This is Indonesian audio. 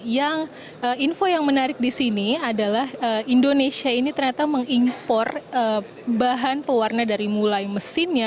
yang info yang menarik di sini adalah indonesia ini ternyata mengimpor bahan pewarna dari mulai mesinnya